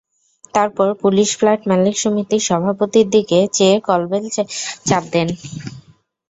তারপর police flat মালিক সমিতির সভাপতির দিকে চেয়ে কলবেলে চাপ দেন।